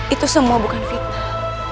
itu semua bukan fitnah